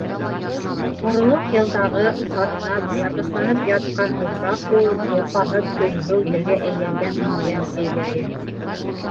Ҡоролоҡ йылдағы сатнап, ярғысланып ятҡан тупраҡ кеүек, толҡаһыҙ, көлһөү ергә әйләнгән уның йәнкәйҙәре...